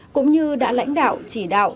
cũng như đã lãnh đạo chỉ đạo